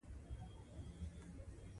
پیر او واکمن یو ځای ژوند نه شي کولای.